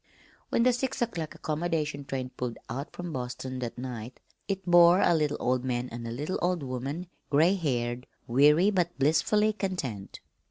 When the six o'clock accommodation train pulled out from Boston that night it bore a little old man and a little old woman, gray haired, weary, but blissfully content.